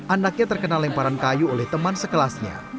anaknya terkena lemparan kayu oleh teman sekelasnya